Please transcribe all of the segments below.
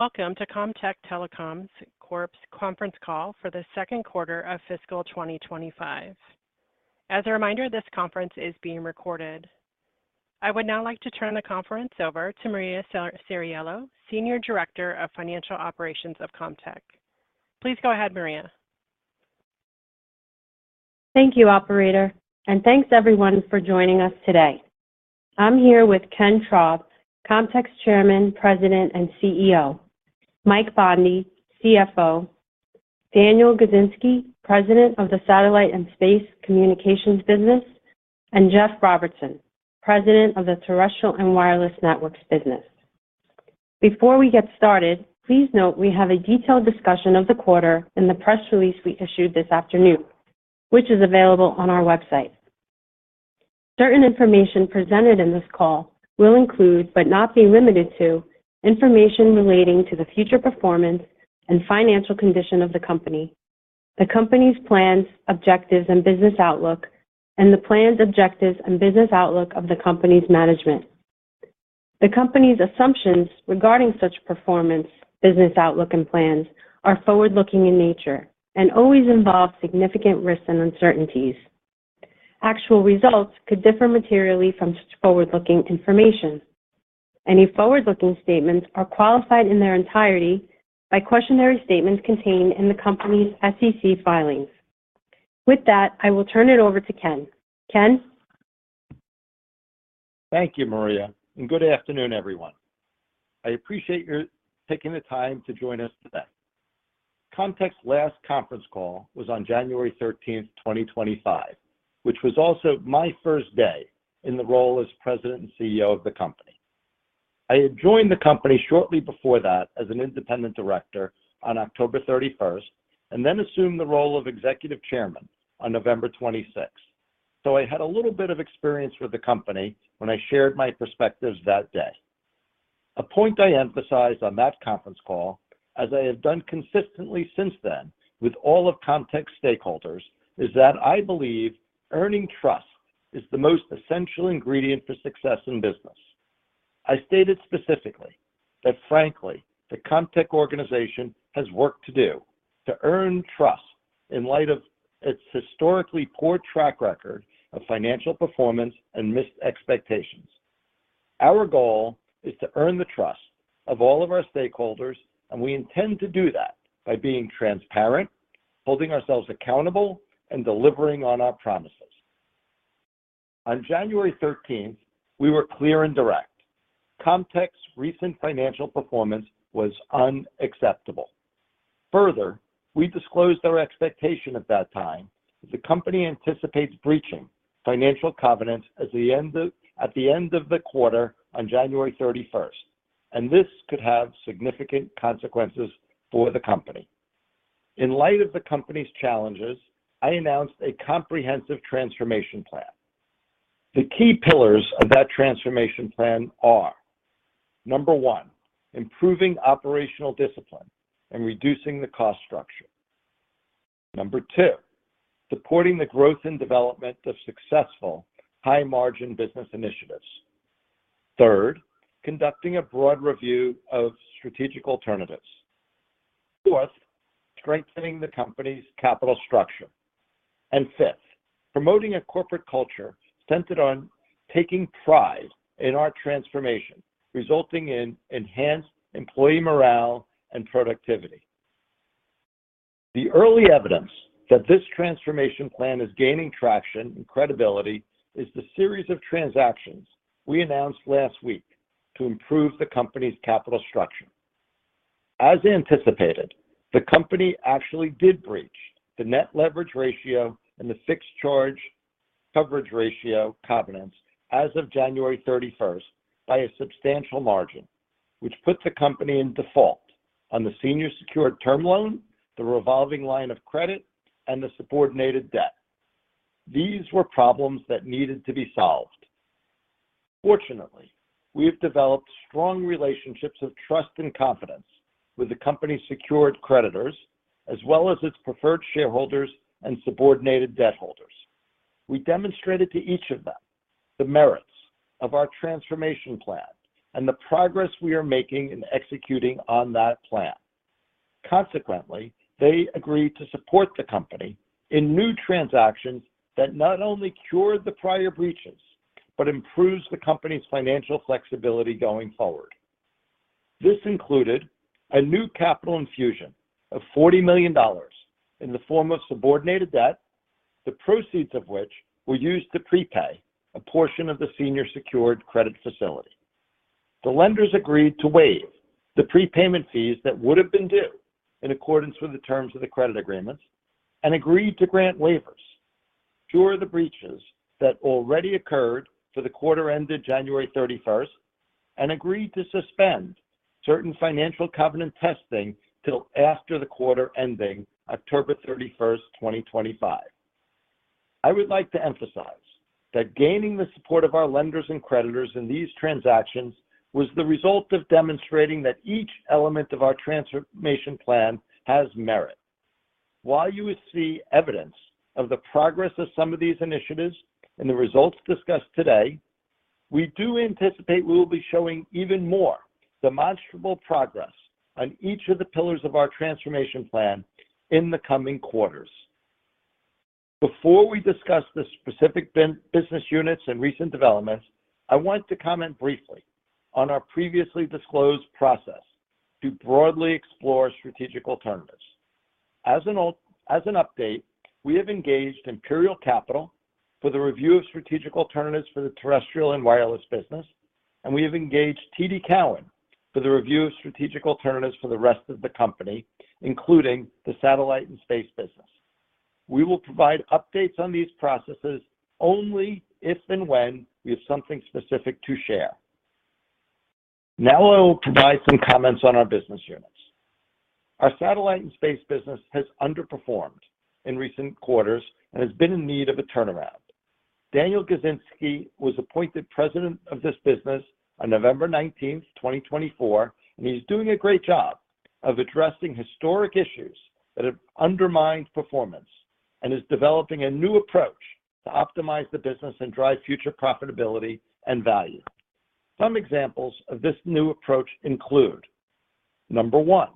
Welcome to Comtech Telecommunications Corp.'s conference call for the second quarter of fiscal 2025. As a reminder, this conference is being recorded. I would now like to turn the conference over to Maria Ceriello, Senior Director of Financial Operations of Comtech. Please go ahead, Maria. Thank you, Operator, and thanks everyone for joining us today. I'm here with Ken Traub, Comtech's Chairman, President, and CEO; Mike Bondi, CFO; Daniel Gizinski, President of the Satellite and Space Communications Business; and Jeff Robertson, President of the Terrestrial and Wireless Networks Business. Before we get started, please note we have a detailed discussion of the quarter in the press release we issued this afternoon, which is available on our website. Certain information presented in this call will include, but not be limited to, information relating to the future performance and financial condition of the company, the company's plans, objectives, and business outlook, and the plans, objectives, and business outlook of the company's management. The company's assumptions regarding such performance, business outlook, and plans are forward-looking in nature and always involve significant risks and uncertainties. Actual results could differ materially from forward-looking information. Any forward-looking statements are qualified in their entirety by cautionary statements contained in the company's SEC filings. With that, I will turn it over to Ken. Ken? Thank you, Maria, and good afternoon, everyone. I appreciate your taking the time to join us today. Comtech's last conference call was on January 13th, 2025, which was also my first day in the role as President and CEO of the company. I had joined the company shortly before that as an independent director on October 31st and then assumed the role of Executive Chairman on November 26. I had a little bit of experience with the company when I shared my perspectives that day. A point I emphasized on that conference call, as I have done consistently since then with all of Comtech's stakeholders, is that I believe earning trust is the most essential ingredient for success in business. I stated specifically that, frankly, the Comtech organization has work to do to earn trust in light of its historically poor track record of financial performance and missed expectations. Our goal is to earn the trust of all of our stakeholders, and we intend to do that by being transparent, holding ourselves accountable, and delivering on our promises. On January 13th, we were clear and direct. Comtech's recent financial performance was unacceptable. Further, we disclosed our expectation at that time that the company anticipates breaching financial covenants at the end of the quarter on January 31st, and this could have significant consequences for the company. In light of the company's challenges, I announced a comprehensive transformation plan. The key pillars of that transformation plan are: Number one, improving operational discipline and reducing the cost structure. Number two, supporting the growth and development of successful high-margin business initiatives. Third, conducting a broad review of strategic alternatives. Fourth, strengthening the company's capital structure. Fifth, promoting a corporate culture centered on taking pride in our transformation, resulting in enhanced employee morale and productivity. The early evidence that this transformation plan is gaining traction and credibility is the series of transactions we announced last week to improve the company's capital structure. As anticipated, the company actually did breach the net leverage ratio and the fixed charge coverage ratio covenants as of January 31st by a substantial margin, which put the company in default on the senior secured term loan, the revolving line of credit, and the subordinated debt. These were problems that needed to be solved. Fortunately, we have developed strong relationships of trust and confidence with the company's secured creditors, as well as its preferred shareholders and subordinated debt holders. We demonstrated to each of them the merits of our transformation plan and the progress we are making in executing on that plan. Consequently, they agreed to support the company in new transactions that not only cure the prior breaches but improve the company's financial flexibility going forward. This included a new capital infusion of $40 million in the form of subordinated debt, the proceeds of which were used to prepay a portion of the senior secured credit facility. The lenders agreed to waive the prepayment fees that would have been due in accordance with the terms of the credit agreements and agreed to grant waivers, cure the breaches that already occurred for the quarter ended January 31st, and agreed to suspend certain financial covenant testing till after the quarter ending October 31st, 2025. I would like to emphasize that gaining the support of our lenders and creditors in these transactions was the result of demonstrating that each element of our transformation plan has merit. While you will see evidence of the progress of some of these initiatives in the results discussed today, we do anticipate we will be showing even more demonstrable progress on each of the pillars of our transformation plan in the coming quarters. Before we discuss the specific business units and recent developments, I want to comment briefly on our previously disclosed process to broadly explore strategic alternatives. As an update, we have engaged Imperial Capital for the review of strategic alternatives for the terrestrial and wireless business, and we have engaged TD Cowen for the review of strategic alternatives for the rest of the company, including the satellite and space business. We will provide updates on these processes only if and when we have something specific to share. Now I will provide some comments on our business units. Our satellite and space business has underperformed in recent quarters and has been in need of a turnaround. Daniel Gizinski was appointed President of this business on November 19th, 2024, and he's doing a great job of addressing historic issues that have undermined performance and is developing a new approach to optimize the business and drive future profitability and value. Some examples of this new approach include: Number one,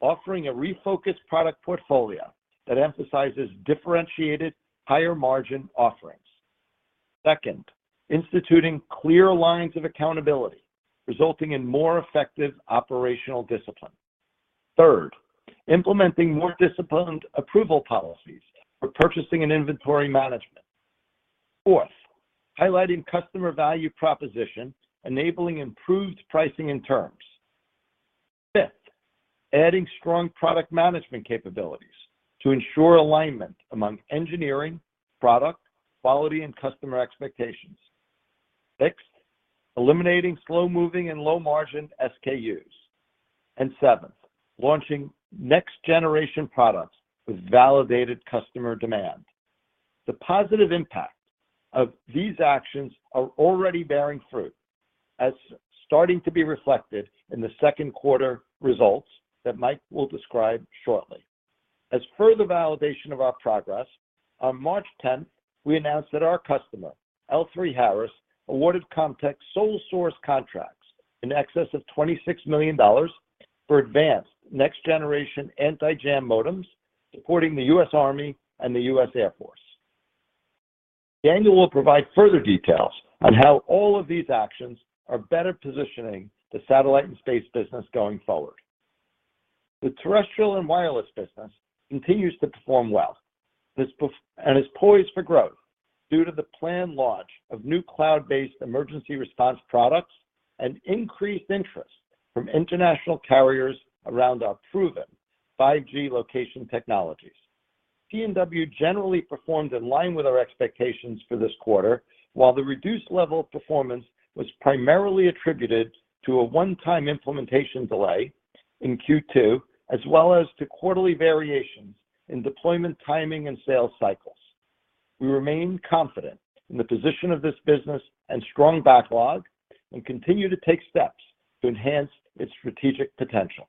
offering a refocused product portfolio that emphasizes differentiated, higher-margin offerings. Second, instituting clear lines of accountability, resulting in more effective operational discipline. Third, implementing more disciplined approval policies for purchasing and inventory management. Fourth, highlighting customer value proposition, enabling improved pricing and terms. Fifth, adding strong product management capabilities to ensure alignment among engineering, product, quality, and customer expectations. Sixth, eliminating slow-moving and low-margin SKUs. Seventh, launching next-generation products with validated customer demand. The positive impact of these actions is already bearing fruit, starting to be reflected in the second quarter results that Mike will describe shortly. As further validation of our progress, on March 10th, we announced that our customer, L3Harris, awarded Comtech sole-source contracts in excess of $26 million for advanced next-generation anti-jam modems supporting the U.S. Army and the U.S. Air Force. Daniel will provide further details on how all of these actions are better positioning the satellite and space business going forward. The terrestrial and wireless business continues to perform well and is poised for growth due to the planned launch of new cloud-based emergency response products and increased interest from international carriers around our proven 5G location technologies. T&W generally performed in line with our expectations for this quarter, while the reduced level of performance was primarily attributed to a one-time implementation delay in Q2, as well as to quarterly variations in deployment timing and sales cycles. We remain confident in the position of this business and strong backlog and continue to take steps to enhance its strategic potential.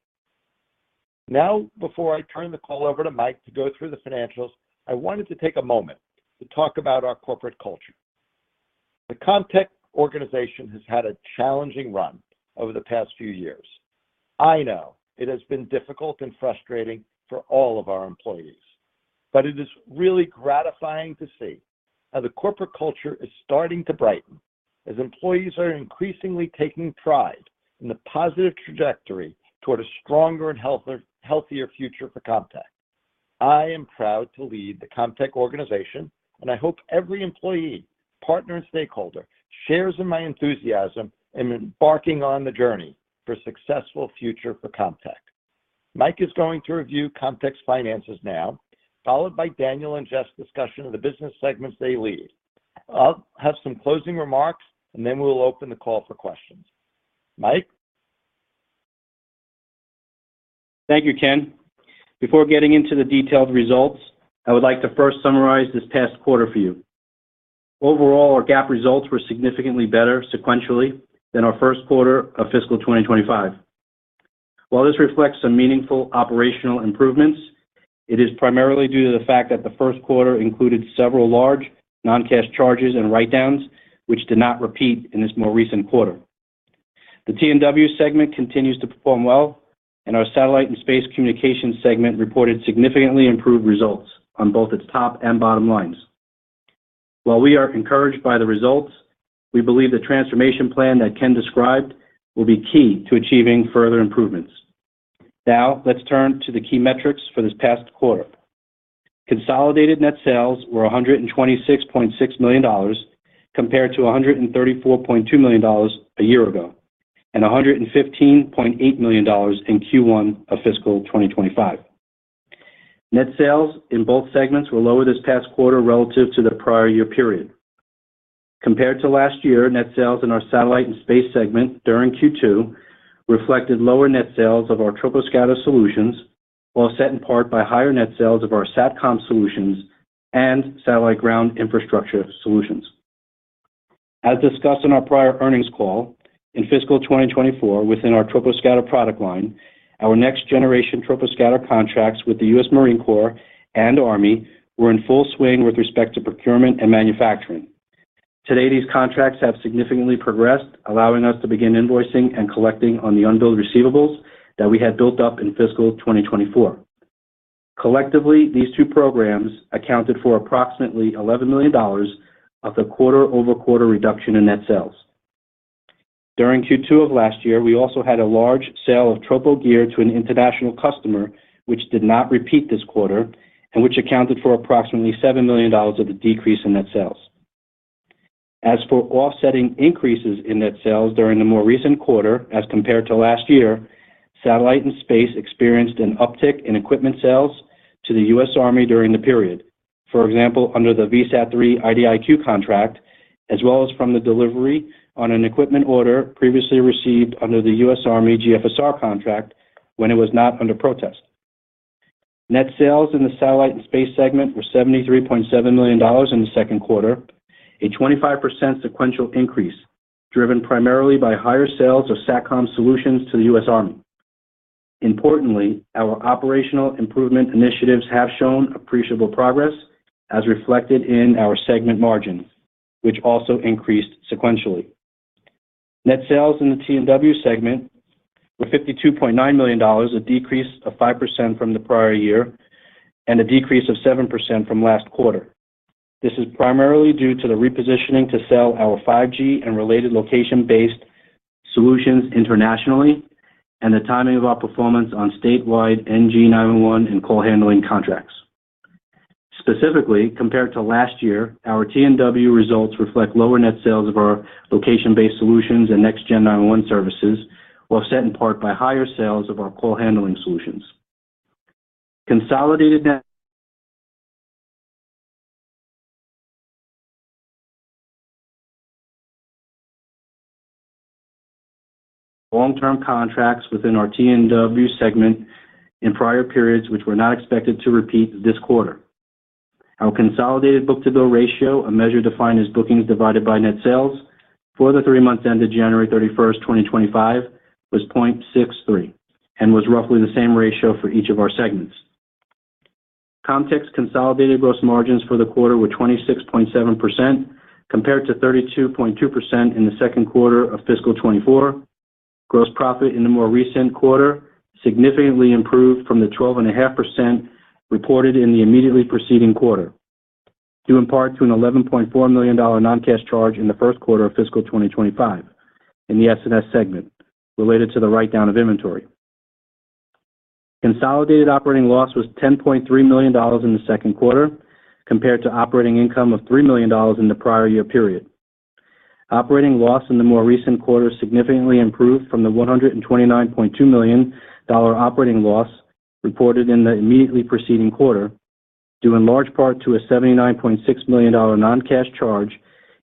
Now, before I turn the call over to Mike to go through the financials, I wanted to take a moment to talk about our corporate culture. The Comtech organization has had a challenging run over the past few years. I know it has been difficult and frustrating for all of our employees, but it is really gratifying to see how the corporate culture is starting to brighten as employees are increasingly taking pride in the positive trajectory toward a stronger and healthier future for Comtech. I am proud to lead the Comtech organization, and I hope every employee, partner, and stakeholder shares in my enthusiasm in embarking on the journey for a successful future for Comtech. Mike is going to review Comtech's finances now, followed by Daniel and Jeff's discussion of the business segments they lead. I'll have some closing remarks, and then we'll open the call for questions. Mike? Thank you, Ken. Before getting into the detailed results, I would like to first summarize this past quarter for you. Overall, our GAAP results were significantly better sequentially than our first quarter of fiscal 2025. While this reflects some meaningful operational improvements, it is primarily due to the fact that the first quarter included several large non-cash charges and write-downs, which did not repeat in this more recent quarter. The T&W segment continues to perform well, and our satellite and space communications segment reported significantly improved results on both its top and bottom lines. While we are encouraged by the results, we believe the transformation plan that Ken described will be key to achieving further improvements. Now, let's turn to the key metrics for this past quarter. Consolidated net sales were $126.6 million compared to $134.2 million a year ago and $115.8 million in Q1 of fiscal 2025. Net sales in both segments were lower this past quarter relative to the prior year period. Compared to last year, net sales in our satellite and space segment during Q2 reflected lower net sales of our Troposcatter solutions, while set in part by higher net sales of our SatCom solutions and satellite ground infrastructure solutions. As discussed in our prior earnings call in fiscal 2024, within our Troposcatter product line, our next-generation Troposcatter contracts with the U.S. Marine Corps and Army were in full swing with respect to procurement and manufacturing. Today, these contracts have significantly progressed, allowing us to begin invoicing and collecting on the unbilled receivables that we had built up in fiscal 2024. Collectively, these two programs accounted for approximately $11 million of the quarter-over-quarter reduction in net sales. During Q2 of last year, we also had a large sale of Tropo gear to an international customer, which did not repeat this quarter and which accounted for approximately $7 million of the decrease in net sales. As for offsetting increases in net sales during the more recent quarter as compared to last year, satellite and space experienced an uptick in equipment sales to the U.S. Army during the period, for example, under the VSAT III IDIQ contract, as well as from the delivery on an equipment order previously received under the U.S. Army GFSR contract when it was not under protest. Net sales in the satellite and space segment were $73.7 million in the second quarter, a 25% sequential increase driven primarily by higher sales of SatCom solutions to the U.S. Army. Importantly, our operational improvement initiatives have shown appreciable progress, as reflected in our segment margins, which also increased sequentially. Net sales in the T&W segment were $52.9 million, a decrease of 5% from the prior year and a decrease of 7% from last quarter. This is primarily due to the repositioning to sell our 5G and related location-based solutions internationally and the timing of our performance on statewide NG911 and call handling contracts. Specifically, compared to last year, our T&W results reflect lower net sales of our location-based solutions and next-gen 911 services, while set in part by higher sales of our call handling solutions. Consolidated net long-term contracts within our T&W segment in prior periods, which were not expected to repeat this quarter. Our consolidated book-to-bill ratio, a measure defined as bookings divided by net sales for the three months ended January 31st, 2025, was 0.63 and was roughly the same ratio for each of our segments. Comtech's consolidated gross margins for the quarter were 26.7% compared to 32.2% in the second quarter of fiscal 2024. Gross profit in the more recent quarter significantly improved from the 12.5% reported in the immediately preceding quarter, due in part to an $11.4 million non-cash charge in the first quarter of fiscal 2025 in the S&S segment related to the write-down of inventory. Consolidated operating loss was $10.3 million in the second quarter compared to operating income of $3 million in the prior year period. Operating loss in the more recent quarter significantly improved from the $129.2 million operating loss reported in the immediately preceding quarter, due in large part to a $79.6 million non-cash charge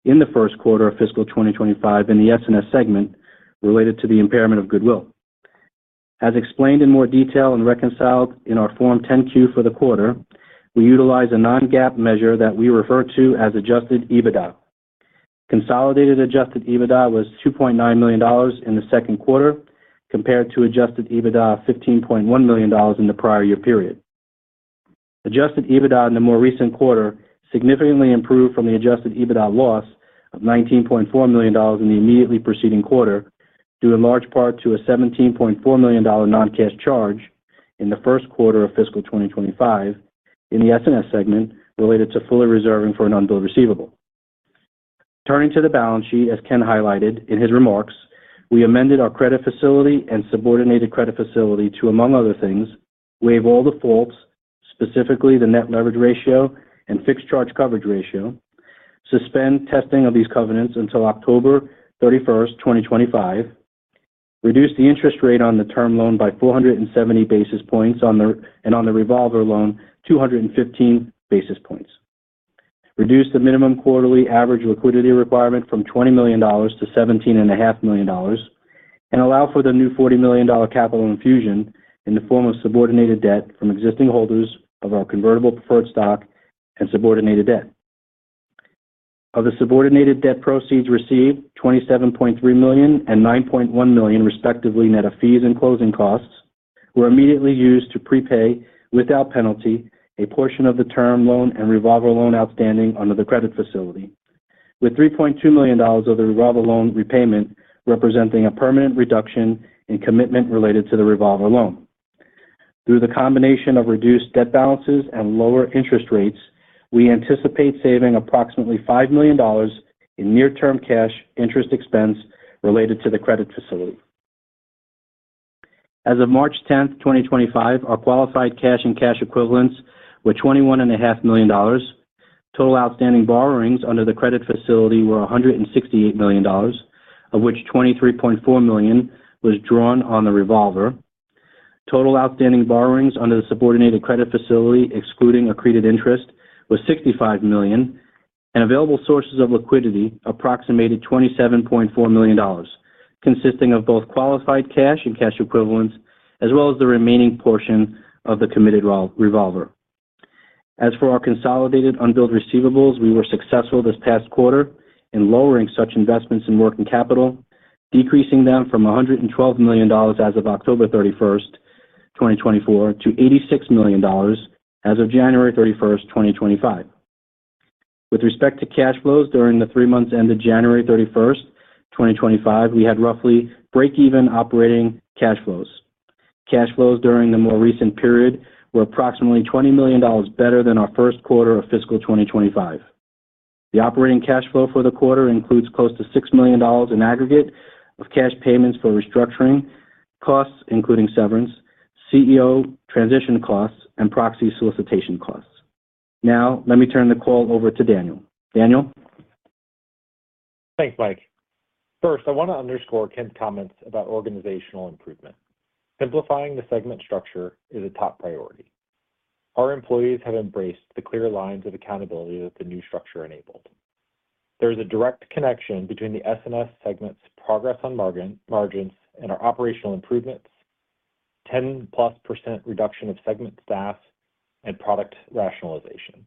in the first quarter of fiscal 2025 in the S&S segment related to the impairment of goodwill. As explained in more detail and reconciled in our Form 10-Q for the quarter, we utilize a non-GAAP measure that we refer to as adjusted EBITDA. Consolidated adjusted EBITDA was $2.9 million in the second quarter compared to adjusted EBITDA of $15.1 million in the prior year period. Adjusted EBITDA in the more recent quarter significantly improved from the adjusted EBITDA loss of $19.4 million in the immediately preceding quarter, due in large part to a $17.4 million non-cash charge in the first quarter of fiscal 2025 in the S&S segment related to fully reserving for an unbilled receivable. Returning to the balance sheet, as Ken highlighted in his remarks, we amended our credit facility and subordinated credit facility to, among other things, waive all defaults, specifically the net leverage ratio and fixed charge coverage ratio, suspend testing of these covenants until October 31, 2025, reduce the interest rate on the term loan by 470 basis points and on the revolver loan 215 basis points, reduce the minimum quarterly average liquidity requirement from $20 million to $17.5 million, and allow for the new $40 million capital infusion in the form of subordinated debt from existing holders of our convertible preferred stock and subordinated debt. Of the subordinated debt proceeds received, $27.3 million and $9.1 million, respectively, net of fees and closing costs, were immediately used to prepay, without penalty, a portion of the term loan and revolver loan outstanding under the credit facility, with $3.2 million of the revolver loan repayment representing a permanent reduction in commitment related to the revolver loan. Through the combination of reduced debt balances and lower interest rates, we anticipate saving approximately $5 million in near-term cash interest expense related to the credit facility. As of March 10th, 2025, our qualified cash and cash equivalents were $21.5 million. Total outstanding borrowings under the credit facility were $168 million, of which $23.4 million was drawn on the revolver. Total outstanding borrowings under the subordinated credit facility, excluding accreted interest, was $65 million, and available sources of liquidity approximated $27.4 million, consisting of both qualified cash and cash equivalents, as well as the remaining portion of the committed revolver. As for our consolidated unbilled receivables, we were successful this past quarter in lowering such investments in working capital, decreasing them from $112 million as of October 31st, 2024, to $86 million as of January 31st, 2025. With respect to cash flows during the three months ended January 31st, 2025, we had roughly break-even operating cash flows. Cash flows during the more recent period were approximately $20 million better than our first quarter of fiscal 2025. The operating cash flow for the quarter includes close to $6 million in aggregate of cash payments for restructuring costs, including severance, CEO transition costs, and proxy solicitation costs. Now, let me turn the call over to Daniel. Daniel? Thanks, Mike. First, I want to underscore Ken's comments about organizational improvement. Simplifying the segment structure is a top priority. Our employees have embraced the clear lines of accountability that the new structure enabled. There is a direct connection between the S&S segment's progress on margins and our operational improvements, 10% reduction of segment staff, and product rationalization.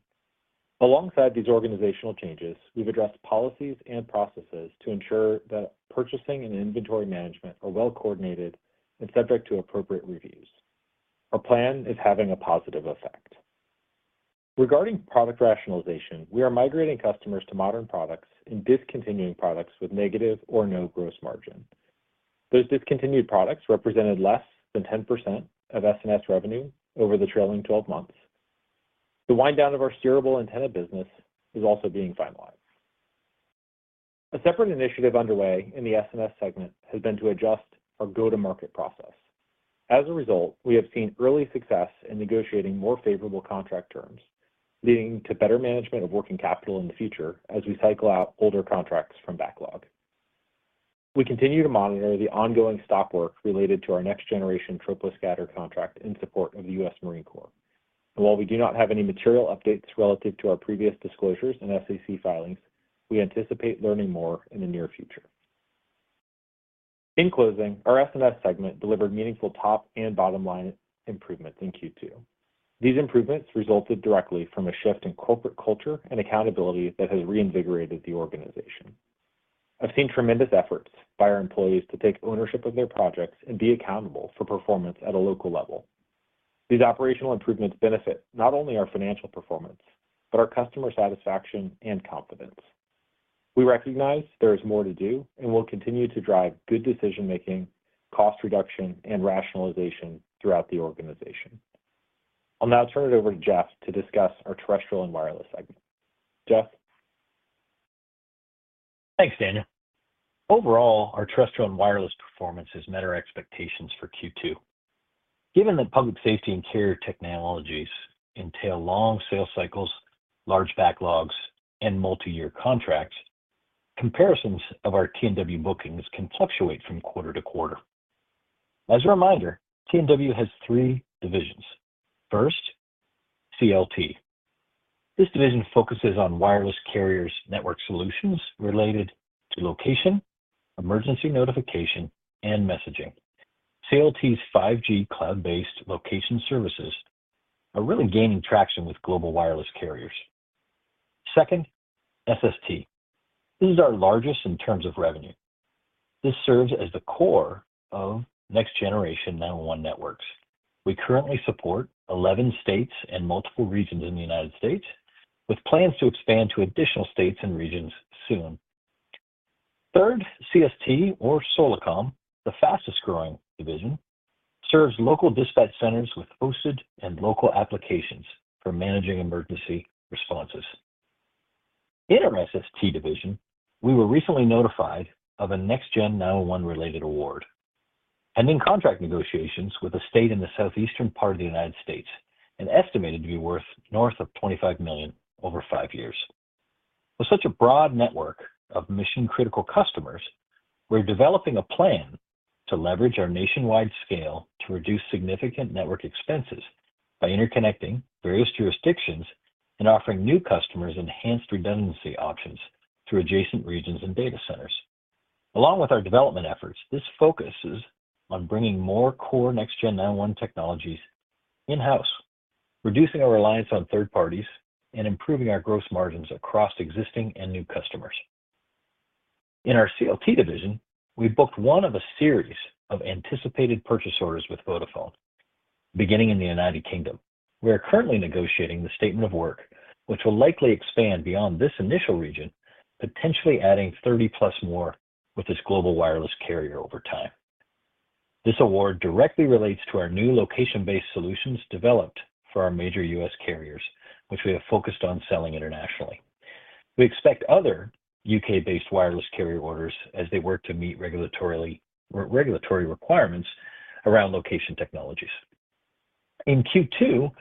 Alongside these organizational changes, we've addressed policies and processes to ensure that purchasing and inventory management are well-coordinated and subject to appropriate reviews. Our plan is having a positive effect. Regarding product rationalization, we are migrating customers to modern products and discontinuing products with negative or no gross margin. Those discontinued products represented less than 10% of S&S revenue over the trailing 12 months. The wind-down of our steerable antenna business is also being finalized. A separate initiative underway in the S&S segment has been to adjust our go-to-market process. As a result, we have seen early success in negotiating more favorable contract terms, leading to better management of working capital in the future as we cycle out older contracts from backlog. We continue to monitor the ongoing stock work related to our next-generation Troposcatter contract in support of the U.S. Marine Corps. While we do not have any material updates relative to our previous disclosures and SEC filings, we anticipate learning more in the near future. In closing, our S&S segment delivered meaningful top and bottom-line improvements in Q2. These improvements resulted directly from a shift in corporate culture and accountability that has reinvigorated the organization. I've seen tremendous efforts by our employees to take ownership of their projects and be accountable for performance at a local level. These operational improvements benefit not only our financial performance but our customer satisfaction and confidence. We recognize there is more to do and will continue to drive good decision-making, cost reduction, and rationalization throughout the organization. I'll now turn it over to Jeff to discuss our terrestrial and wireless segment. Jeff? Thanks, Daniel. Overall, our terrestrial and wireless performance has met our expectations for Q2. Given that public safety and carrier technologies entail long sales cycles, large backlogs, and multi-year contracts, comparisons of our T&W bookings can fluctuate from quarter to quarter. As a reminder, T&W has three divisions. First, CLT. This division focuses on wireless carriers' network solutions related to location, emergency notification, and messaging. CLT's 5G cloud-based location services are really gaining traction with global wireless carriers. Second, SST. This is our largest in terms of revenue. This serves as the core of next-generation 911 networks. We currently support 11 states and multiple regions in the United States, with plans to expand to additional states and regions soon. Third, CST, or Solacom, the fastest-growing division, serves local dispatch centers with hosted and local applications for managing emergency responses. In our SST division, we were recently notified of a next-gen 911-related award, pending contract negotiations with a state in the southeastern part of the United States, and estimated to be worth north of $25 million over five years. With such a broad network of mission-critical customers, we're developing a plan to leverage our nationwide scale to reduce significant network expenses by interconnecting various jurisdictions and offering new customers enhanced redundancy options through adjacent regions and data centers. Along with our development efforts, this focus is on bringing more core next-gen 911 technologies in-house, reducing our reliance on third parties, and improving our gross margins across existing and new customers. In our CLT division, we booked one of a series of anticipated purchase orders with Vodafone, beginning in the United Kingdom. We are currently negotiating the statement of work, which will likely expand beyond this initial region, potentially adding 30+ more with this global wireless carrier over time. This award directly relates to our new location-based solutions developed for our major U.S. carriers, which we have focused on selling internationally. We expect other U.K.-based wireless carrier orders as they work to meet regulatory requirements around location technologies. In Q2,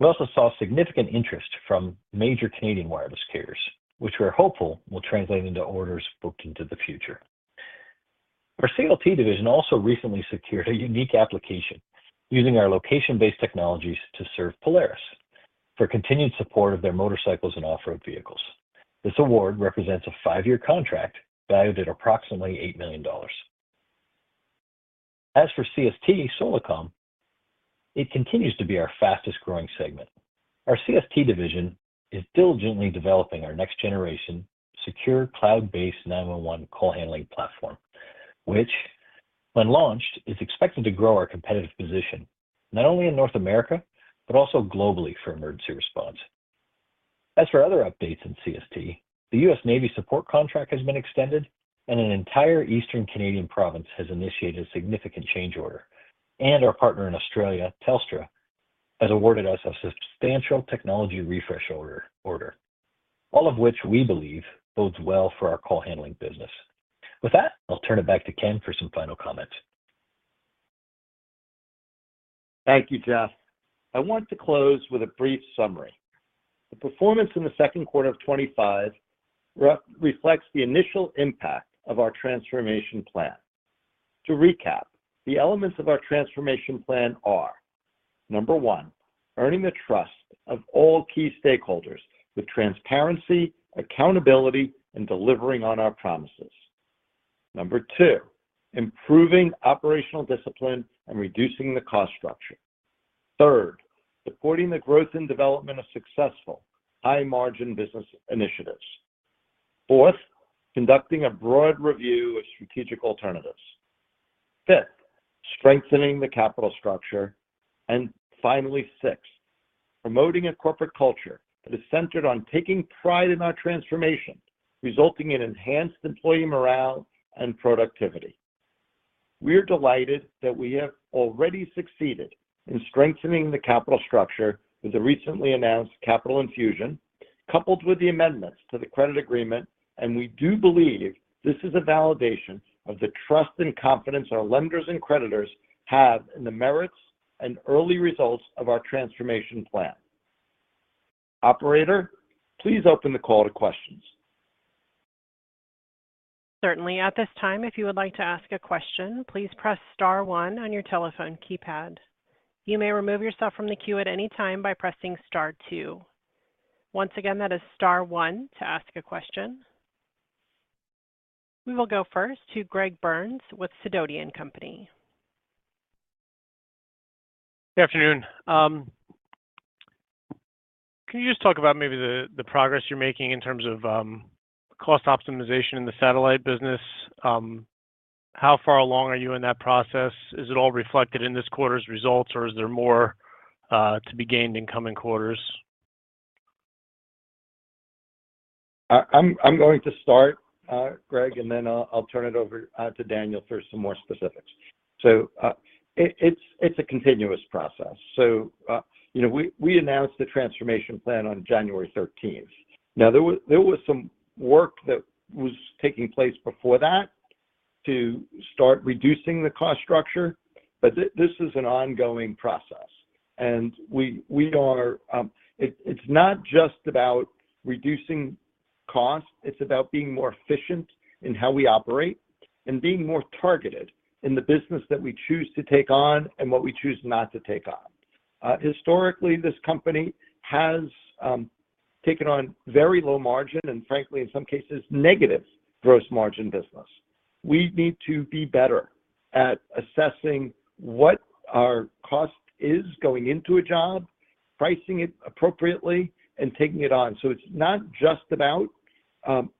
we also saw significant interest from major Canadian wireless carriers, which we're hopeful will translate into orders booked into the future. Our CLT division also recently secured a unique application using our location-based technologies to serve Polaris for continued support of their motorcycles and off-road vehicles. This award represents a five-year contract valued at approximately $8 million. As for CST, Solacom, it continues to be our fastest-growing segment. Our CST division is diligently developing our next-generation secure cloud-based 911 call handling platform, which, when launched, is expected to grow our competitive position not only in North America but also globally for emergency response. As for other updates in CST, the U.S. Navy support contract has been extended, and an entire eastern Canadian province has initiated a significant change order, and our partner in Australia, Telstra, has awarded us a substantial technology refresh order, all of which we believe bodes well for our call handling business. With that, I'll turn it back to Ken for some final comments. Thank you, Jeff. I want to close with a brief summary. The performance in the second quarter of 2025 reflects the initial impact of our transformation plan. To recap, the elements of our transformation plan are: number one, earning the trust of all key stakeholders with transparency, accountability, and delivering on our promises; number two, improving operational discipline and reducing the cost structure; third, supporting the growth and development of successful, high-margin business initiatives; fourth, conducting a broad review of strategic alternatives; fifth, strengthening the capital structure; and finally, sixth, promoting a corporate culture that is centered on taking pride in our transformation, resulting in enhanced employee morale and productivity. We are delighted that we have already succeeded in strengthening the capital structure with the recently announced capital infusion, coupled with the amendments to the credit agreement, and we do believe this is a validation of the trust and confidence our lenders and creditors have in the merits and early results of our transformation plan. Operator, please open the call to questions. Certainly. At this time, if you would like to ask a question, please press star one on your telephone keypad. You may remove yourself from the queue at any time by pressing star two. Once again, that is star one to ask a question. We will go first to Greg Burns with Sidoti & Company. Good afternoon. Can you just talk about maybe the progress you're making in terms of cost optimization in the satellite business? How far along are you in that process? Is it all reflected in this quarter's results, or is there more to be gained in coming quarters? I'm going to start, Greg, and then I'll turn it over to Daniel for some more specifics. It is a continuous process. We announced the transformation plan on January 13th. There was some work that was taking place before that to start reducing the cost structure, but this is an ongoing process. It's not just about reducing costs; it's about being more efficient in how we operate and being more targeted in the business that we choose to take on and what we choose not to take on. Historically, this company has taken on very low margin and, frankly, in some cases, negative gross margin business. We need to be better at assessing what our cost is going into a job, pricing it appropriately, and taking it on. It is not just about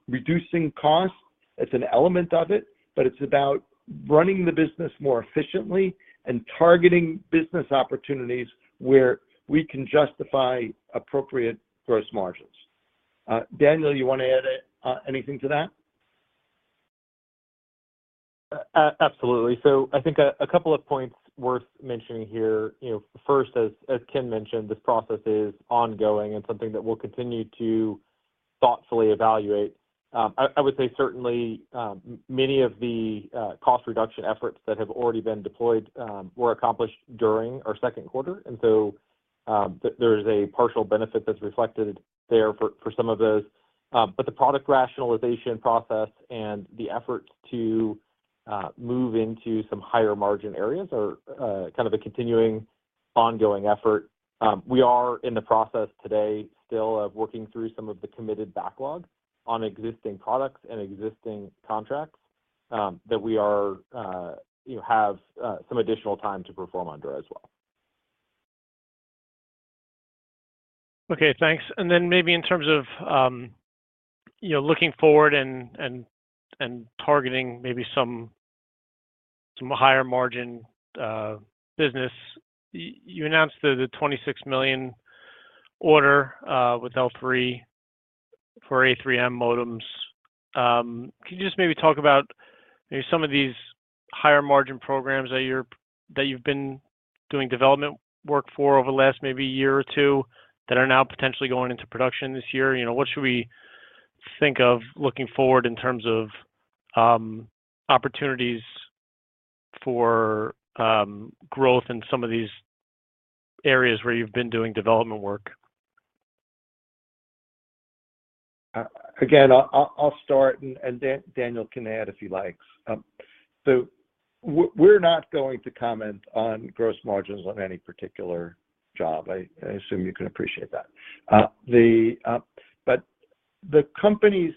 reducing costs; it is an element of it, but it is about running the business more efficiently and targeting business opportunities where we can justify appropriate gross margins. Daniel, you want to add anything to that? Absolutely. I think a couple of points worth mentioning here. First, as Ken mentioned, this process is ongoing and something that we'll continue to thoughtfully evaluate. I would say certainly many of the cost reduction efforts that have already been deployed were accomplished during our second quarter. There is a partial benefit that's reflected there for some of those. The product rationalization process and the efforts to move into some higher margin areas are kind of a continuing, ongoing effort. We are in the process today still of working through some of the committed backlog on existing products and existing contracts that we have some additional time to perform under as well. Okay. Thanks. Maybe in terms of looking forward and targeting maybe some higher margin business, you announced the $26 million order with L3 for A3M modems. Can you just maybe talk about maybe some of these higher margin programs that you've been doing development work for over the last maybe year or two that are now potentially going into production this year? What should we think of looking forward in terms of opportunities for growth in some of these areas where you've been doing development work? Again, I'll start, and Daniel can add if he likes. We are not going to comment on gross margins on any particular job. I assume you can appreciate that. The company's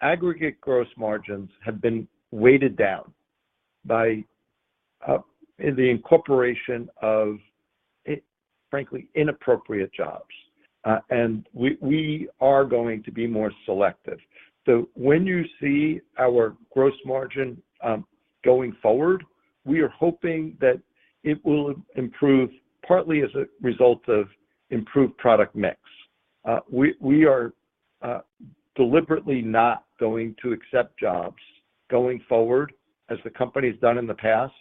aggregate gross margins have been weighted down by the incorporation of, frankly, inappropriate jobs. We are going to be more selective. When you see our gross margin going forward, we are hoping that it will improve partly as a result of improved product mix. We are deliberately not going to accept jobs going forward, as the company has done in the past,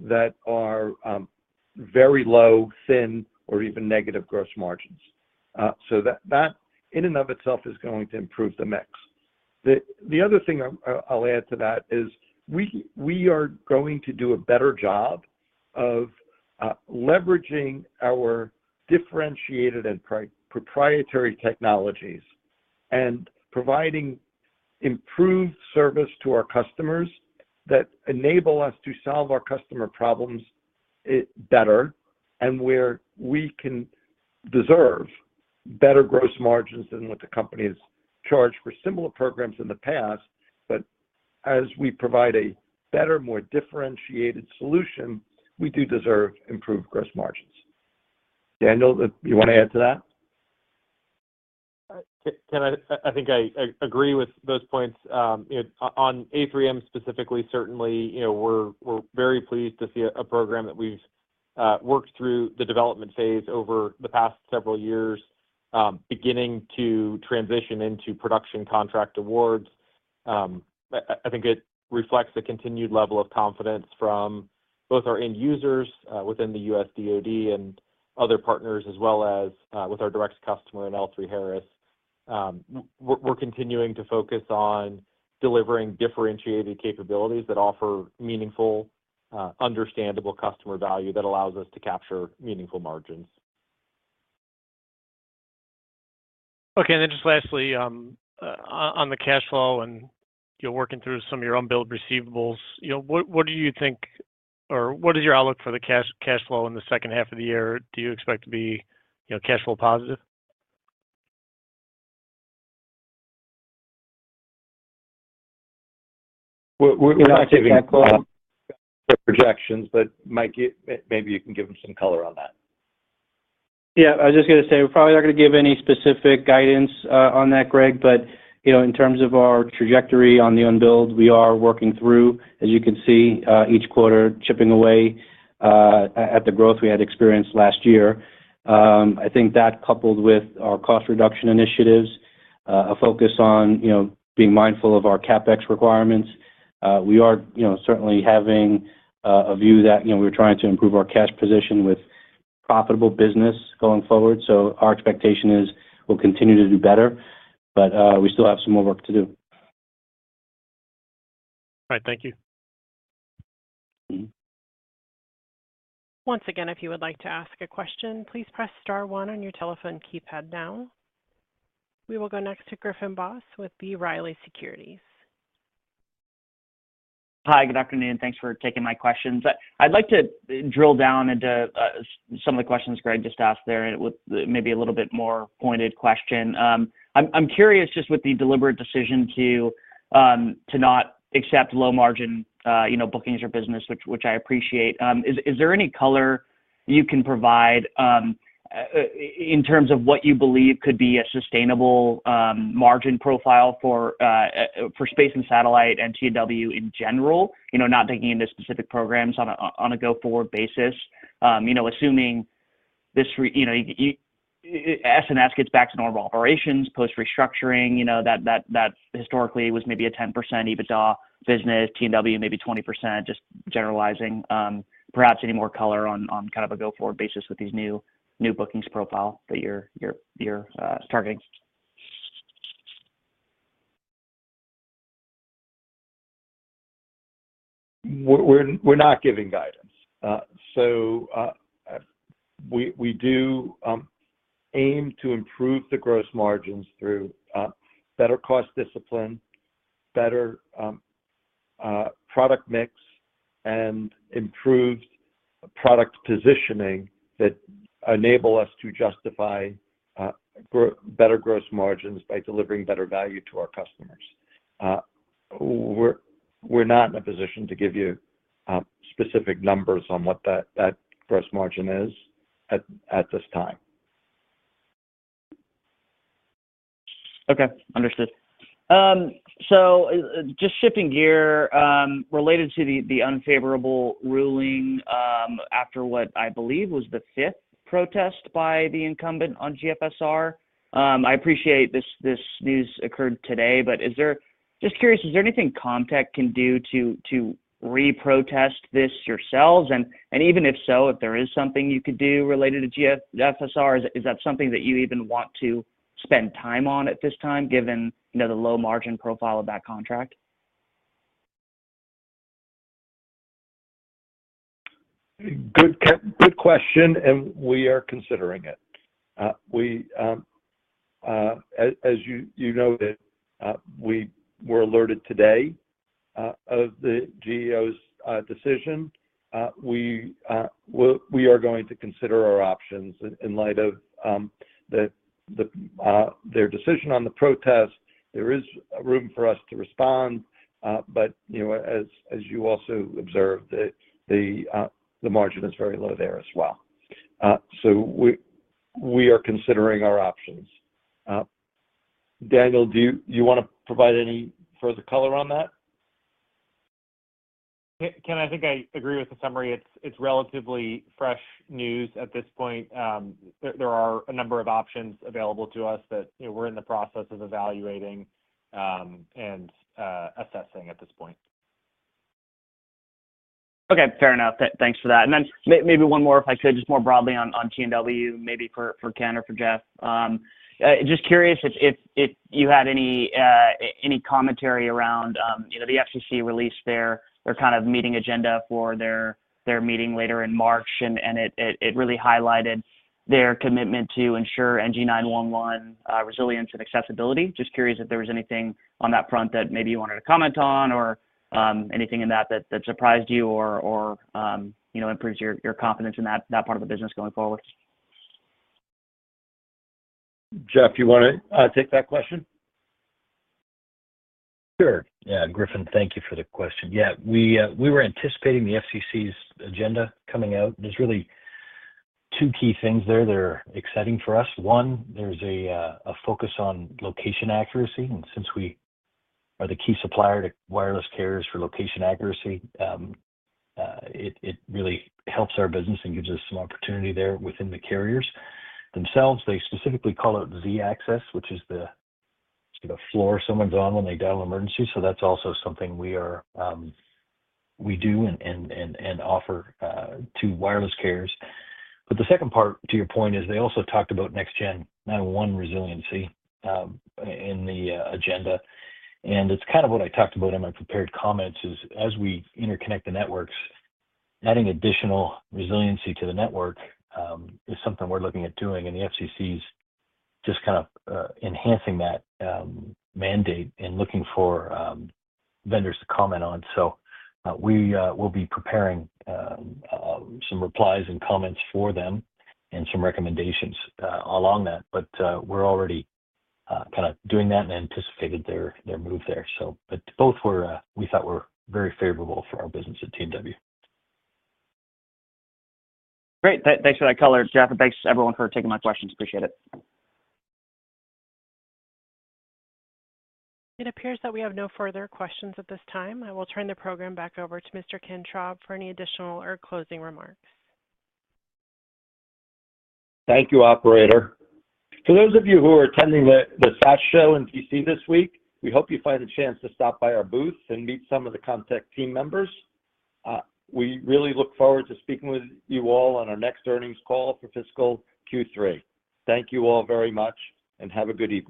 that are very low, thin, or even negative gross margins. That in and of itself is going to improve the mix. The other thing I'll add to that is we are going to do a better job of leveraging our differentiated and proprietary technologies and providing improved service to our customers that enable us to solve our customer problems better and where we can deserve better gross margins than what the company has charged for similar programs in the past. As we provide a better, more differentiated solution, we do deserve improved gross margins. Daniel, you want to add to that? I think I agree with those points. On A3M specifically, certainly we're very pleased to see a program that we've worked through the development phase over the past several years, beginning to transition into production contract awards. I think it reflects a continued level of confidence from both our end users within the U.S. DoD and other partners, as well as with our direct customer in L3Harris. We're continuing to focus on delivering differentiated capabilities that offer meaningful, understandable customer value that allows us to capture meaningful margins. Okay. Lastly, on the cash flow and working through some of your unbilled receivables, what do you think, or what is your outlook for the cash flow in the second half of the year? Do you expect to be cash flow positive? We're not giving projections, but Mike, maybe you can give them some color on that. Yeah. I was just going to say we're probably not going to give any specific guidance on that, Greg, but in terms of our trajectory on the unbilled, we are working through, as you can see, each quarter chipping away at the growth we had experienced last year. I think that, coupled with our cost reduction initiatives, a focus on being mindful of our CapEx requirements, we are certainly having a view that we're trying to improve our cash position with profitable business going forward. Our expectation is we'll continue to do better, but we still have some more work to do. All right. Thank you. Once again, if you would like to ask a question, please press star one on your telephone keypad now. We will go next to Griffin Boss with B. Riley Securities. Hi. Good afternoon. Thanks for taking my questions. I'd like to drill down into some of the questions Greg just asked there with maybe a little bit more pointed question. I'm curious just with the deliberate decision to not accept low margin bookings or business, which I appreciate. Is there any color you can provide in terms of what you believe could be a sustainable margin profile for Space and Satellite and T&W in general, not taking into specific programs on a go-forward basis, assuming S&S gets back to normal operations post-restructuring, that historically was maybe a 10% EBITDA business, T&W maybe 20%, just generalizing, perhaps any more color on kind of a go-forward basis with these new bookings profile that you're targeting? We're not giving guidance. We do aim to improve the gross margins through better cost discipline, better product mix, and improved product positioning that enable us to justify better gross margins by delivering better value to our customers. We're not in a position to give you specific numbers on what that gross margin is at this time. Okay. Understood. Just shifting gear related to the unfavorable ruling after what I believe was the fifth protest by the incumbent on GFSR. I appreciate this news occurred today, but just curious, is there anything Comtech can do to reprotest this yourselves? Even if so, if there is something you could do related to GFSR, is that something that you even want to spend time on at this time given the low margin profile of that contract? Good question, and we are considering it. As you noted, we were alerted today of the GAO's decision. We are going to consider our options in light of their decision on the protest. There is room for us to respond, but as you also observed, the margin is very low there as well. We are considering our options. Daniel, do you want to provide any further color on that? Ken, I think I agree with the summary. It's relatively fresh news at this point. There are a number of options available to us that we're in the process of evaluating and assessing at this point. Okay. Fair enough. Thanks for that. Maybe one more, if I could, just more broadly on T&W, maybe for Ken or for Jeff. Just curious if you had any commentary around the FCC released their kind of meeting agenda for their meeting later in March, and it really highlighted their commitment to ensure NG911 resilience and accessibility. Just curious if there was anything on that front that maybe you wanted to comment on or anything in that that surprised you or improved your confidence in that part of the business going forward. Jeff, you want to take that question? Sure. Yeah. Griffin, thank you for the question. Yeah. We were anticipating the FCC's agenda coming out. There are really two key things there that are exciting for us. One, there is a focus on location accuracy. And since we are the key supplier to wireless carriers for location accuracy, it really helps our business and gives us some opportunity there within the carriers themselves. They specifically call it Z-Axis, which is the floor someone's on when they dial emergency. That is also something we do and offer to wireless carriers. The second part, to your point, is they also talked about next-gen 911 resiliency in the agenda. It is kind of what I talked about in my prepared comments, as we interconnect the networks, adding additional resiliency to the network is something we are looking at doing. The FCC is just kind of enhancing that mandate and looking for vendors to comment on. We will be preparing some replies and comments for them and some recommendations along that. We are already kind of doing that and anticipated their move there. Both, we thought, were very favorable for our business at T&W. Great. Thanks for that color, Jeff. Thanks to everyone for taking my questions. Appreciate it. It appears that we have no further questions at this time. I will turn the program back over to Mr. Ken Traub for any additional or closing remarks. Thank you, Operator. For those of you who are attending the Sat Show in Washington, D.C. this week, we hope you find a chance to stop by our booth and meet some of the Comtech team members. We really look forward to speaking with you all on our next earnings call for fiscal Q3. Thank you all very much and have a good evening.